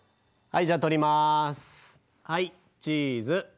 はいチーズ。